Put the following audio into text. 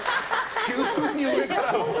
急に上から！